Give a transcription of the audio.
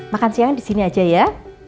makan siangnya disini aja ya